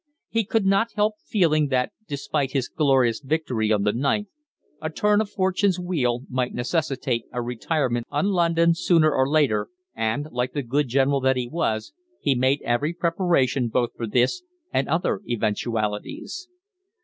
He could not help feeling that, despite his glorious victory on the ninth, a turn of Fortune's wheel might necessitate a retirement on London sooner or later, and, like the good General that he was, he made every preparation both for this, and other eventualities.